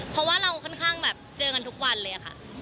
เพราะว่าเราค่อนข้างแบบเจอกันทุกวันเลยค่ะ